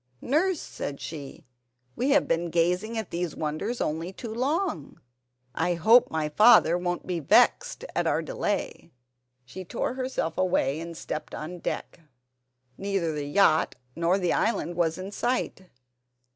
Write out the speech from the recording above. "Nurse," said she, "we have been gazing at these wonders only too long. I hope my father won't be vexed at our delay." She tore herself away and stepped on deck. Neither the yacht nor the island was in sight!